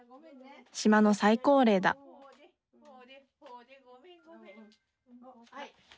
島の最高齢だはい。